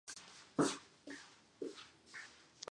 He supported the annexation of Texas by the United States.